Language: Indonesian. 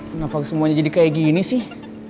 kenapa semuanya jadi kayak gini sih